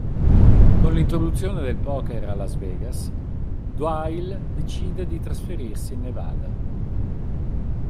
Con l'introduzione del poker a Las Vegas, Doyle decide di trasferirsi in Nevada.